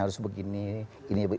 harus begini gini gitu